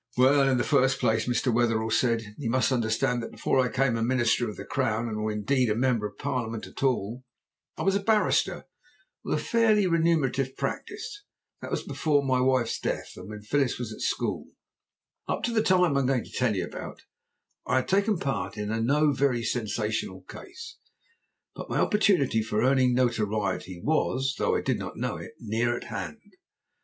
"Well, in the first place," Mr. Wetherell said, "you must understand that before I became a Minister of the Crown, or indeed a Member of Parliament at all, I was a barrister with a fairly remunerative practice. That was before my wife's death and when Phyllis was at school. Up to the time I am going to tell you about I had taken part in no very sensational case. But my opportunity for earning notoriety was, though I did not know it, near at hand.